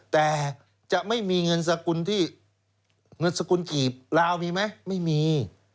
แต่จะไม่มีเงินสกุลที่เงินสกุลกีบลาวมีไหมไม่มี